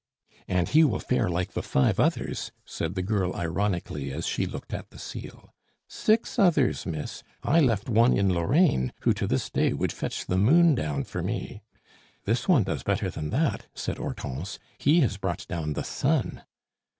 "And he will fare like the five others," said the girl ironically, as she looked at the seal. "Six others, miss. I left one in Lorraine, who, to this day, would fetch the moon down for me." "This one does better than that," said Hortense; "he has brought down the sun."